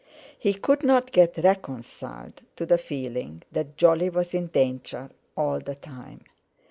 He could not get reconciled to the feeling that Jolly was in danger all the time.